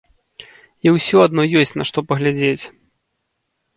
І ўсё адно ёсць на што паглядзець.